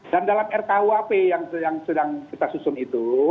dan dalam rkuap yang sedang kita susun itu